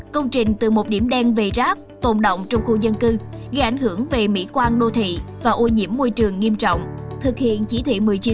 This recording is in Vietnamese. công trình từ một điểm đen về rác tồn động trong khu dân cư gây ảnh hưởng về mỹ quan đô thị và ô nhiễm môi trường nghiêm trọng thực hiện chỉ thị một mươi chín